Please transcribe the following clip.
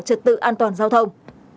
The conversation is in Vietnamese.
trật tự an toàn giao thông